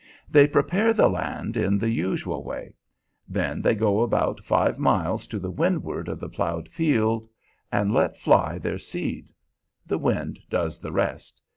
"They prepare the land in the usual way; then they go about five miles to windward of the ploughed field and let fly their seed; the wind does the rest.